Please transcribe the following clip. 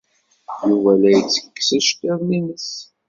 Yuba la ittekkes iceḍḍiḍen-nnes.